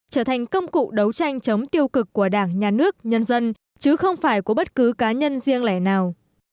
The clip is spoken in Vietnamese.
trở thành công cụ đấu tranh chống tiêu cực của đảng nhà nước nhân dân chứ không phải của bất cứ cá nhân riêng lẻ nào